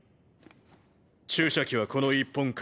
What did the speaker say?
注射器はこの１本限り。